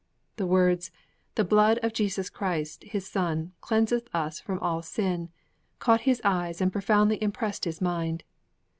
The words, 'The blood of Jesus Christ, His Son, cleanseth us from all sin,' caught his eyes and profoundly impressed his mind.